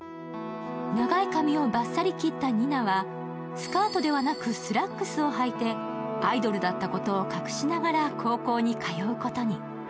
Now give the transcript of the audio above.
長い髪をバッサリ切った仁那はスカートではなくスラックスをはいてアイドルだったことを隠しながら高校に通うことに。